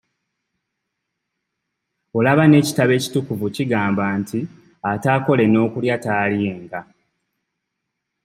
Olaba n'ekitabo ekitukuvu kigamba nti ataakole n'okulya taalyenga.